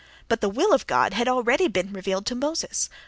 But the "will of God" had already been revealed to Moses....